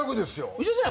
内田さん